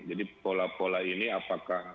jadi pola pola ini apakah